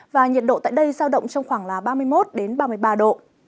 và nhiệt độ tại đây giao động trong khoảng ba mươi một đến ba mươi ba độ